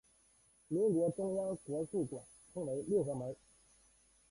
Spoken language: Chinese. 民国中央国术馆称为六合门。